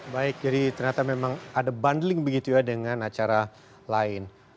baik jadi ternyata memang ada bundling begitu ya dengan acara lain